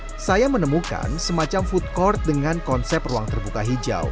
dan saya menemukan semacam food court dengan konsep ruang terbuka hijau